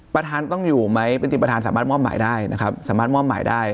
ประธานต้องอยู่ไหมปฏิประธานสามารถมอบหมายได้นะครับสามารถมอบหมายได้